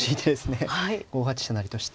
５八飛車成として。